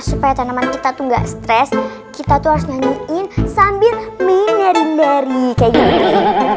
supaya tanaman kita tuh nggak stress kita tuh harus nyanyiin sambil minarin dari kayak gini